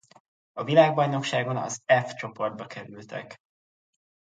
A világbajnokságon az F csoportba kerültek.